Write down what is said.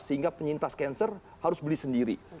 sehingga penyintas cancer harus beli sendiri